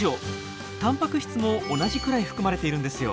たんぱく質も同じくらい含まれているんですよ。